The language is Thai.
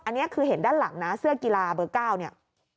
อันนี้คือเห็นด้านหลังนะเสื้อกีฬาเบอร์๙เนี่ย